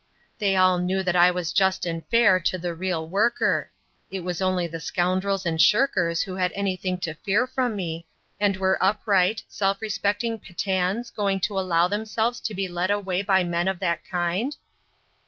They all knew that I was just and fair to the real worker; it was only the scoundrels and shirkers who had anything to fear from me, and were upright, self respecting. Pathans going to allow themselves to be led away by men of that kind?